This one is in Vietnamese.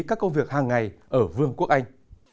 các công việc hàng ngày ở vương quốc anh